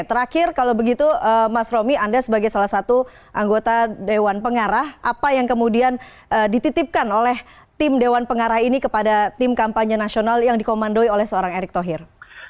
terakhir kalau begitu mas romi anda sebagai salah satu anggota dewan pengarah apa yang kemudian dititipkan oleh tim dewan pengarah ini kepada tim kampanye nasional yang dikomandoi oleh seorang erick thohir